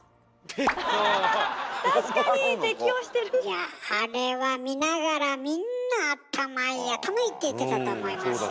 いやあれは見ながらみんな「頭いい頭いい」って言ってたと思いますよ。